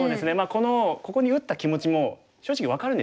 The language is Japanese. このここに打った気持ちも正直分かるんですよね。